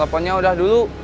teleponnya udah dulu